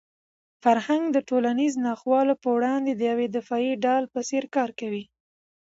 فرهنګ د ټولنیزو ناخوالو په وړاندې د یوې دفاعي ډال په څېر کار کوي.